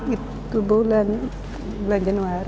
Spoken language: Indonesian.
itu bulan januari